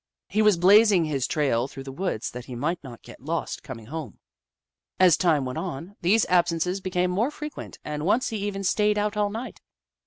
He was blazing his trail through the woods that he might not get lost coming home. As time went on, these absences became more frequent, and once he even stayed out all night.